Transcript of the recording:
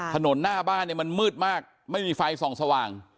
ถนนหน้าบ้านเนี่ยมันมืดมากไม่มีไฟส่องสว่าง